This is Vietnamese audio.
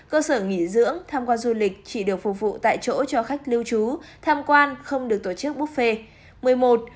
cơ sở nghỉ dưỡng tham quan du lịch chỉ được phục vụ tại chỗ cho khách lưu trú tham quan không được tổ chức buffet